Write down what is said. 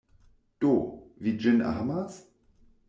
Do, vi ĝin amas?